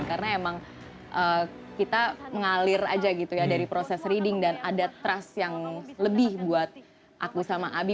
karena emang kita mengalir aja gitu ya dari proses reading dan ada trust yang lebih buat aku sama abi